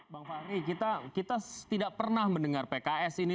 bang fahri kita tidak pernah mendengar pks ini